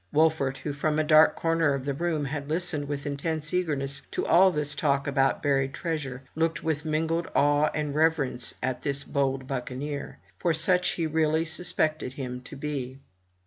Wolfert, who from a dark comer of the room had listened with intense eagerness to all this talk about buried treasure, looked with mingled awe and reverence at this bold buccaneer; for such he really suspected him to be.